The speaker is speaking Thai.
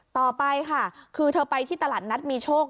ต่อไปค่ะคือเธอไปที่ตลาดนัดมีโชค